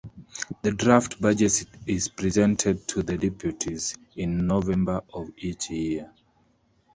The draft budget is presented to the Deputies in November of each year.